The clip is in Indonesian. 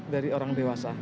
dari orang dewasa